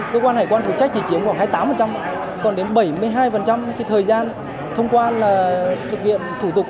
cơ quan hải quan phụ trách thì chiếm khoảng hai mươi tám còn đến bảy mươi hai thì thời gian thông qua là thực hiện thủ tục